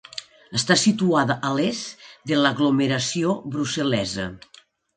Està situada a l'est de l'aglomeració brussel·lesa.